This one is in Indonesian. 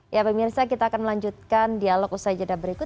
ya pemirsa kita akan melanjutkan dialog usai jeda berikut